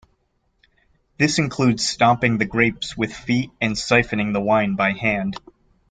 This includes stomping the grapes with feet and siphoning the wine by hand.